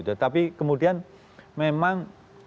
tetapi kemudian memang